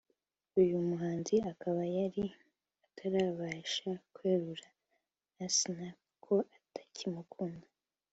uyu muhanzi akaba yari atarabasha kwerurira Asnah ko atakimukunda